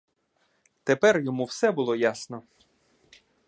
Тепер йому все було ясно.